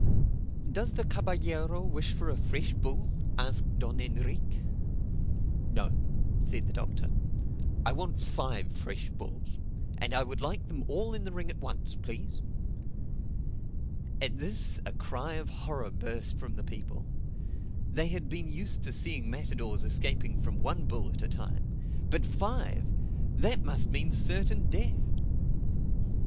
"Does the caballero wish for a fresh bull?" asked Don Enrique. "No," said the Doctor, "I want five fresh bulls. And I would like them all in the ring at once, please." At this a cry of horror burst from the people. They had been used to seeing matadors escaping from one bull at a time. But five!—That must mean certain death.